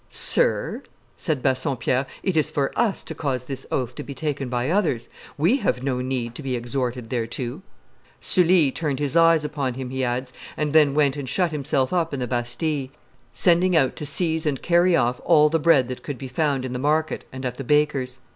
'Sir,' said Bassompierre, 'it is for us to cause this oath to be taken by others; we have no need to be exhorted thereto;' Sully turned his eyes upon him, he adds, and then went and shut himself up in the Bastille, sending out to 'seize and carry off all the bread that could be found in the market and at the bakers'.